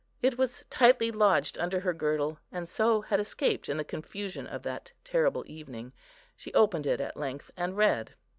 It was tightly lodged under her girdle, and so had escaped in the confusion of that terrible evening. She opened it at length and read.